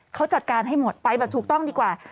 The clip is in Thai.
เขาจัดการให้หมดไปแบบถูกต้องดีกว่า